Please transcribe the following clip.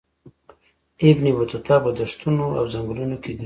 ابن بطوطه په دښتونو او ځنګلونو کې ګرځي.